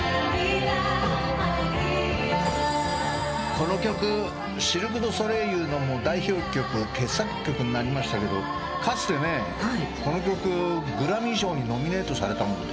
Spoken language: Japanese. この曲シルク・ドゥ・ソレイユの代表曲傑作曲になりましたけどかつてねこの曲グラミー賞にノミネートされたんですよね。